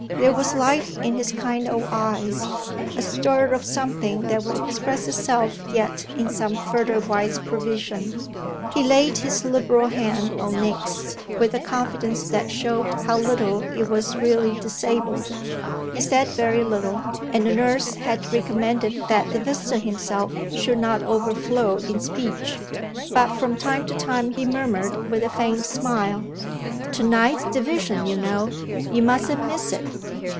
There was life in his kind old eyes, a stir of something that would express itself yet in some further wise provision. He laid his liberal hand on Nick's with a confidence that showed how little it was really disabled. He said very little, and the nurse had recommended that the visitor himself should not overflow in speech; but from time to time he murmured with a faint smile: "To night's division, you know you mustn't miss it."